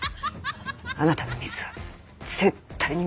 あなたのミスは絶対に見逃さないわよ。